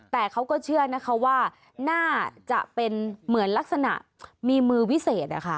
แต่เขาก็เชื่อนะคะว่าน่าจะเป็นเหมือนลักษณะมีมือวิเศษ